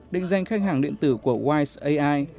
định danh khách hàng điện tử của wise ai